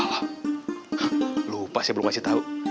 wah lupa saya belum kasih tau